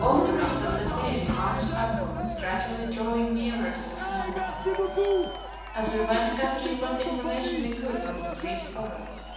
All the rest of that day we marched upwards, gradually drawing nearer to the snow line, as we went gathering what information we could from the priest Oros.